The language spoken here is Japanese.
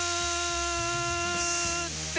って